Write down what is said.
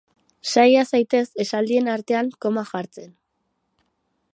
Saia zaitez esaldien artean komak jartzen.